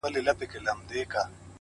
که هر څو خلګ ږغېږي چي بدرنګ یم،